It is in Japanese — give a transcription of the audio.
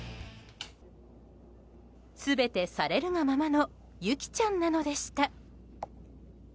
全てされるがままのユキちゃんなのでした。